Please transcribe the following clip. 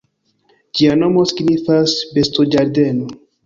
Ĝia nomo signifas "bestoĝardeno".